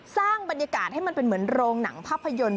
สร้างบรรยากาศให้มันเป็นเหมือนโรงหนังภาพยนตร์